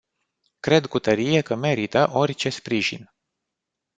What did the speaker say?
Cred cu tărie că merită orice sprijin.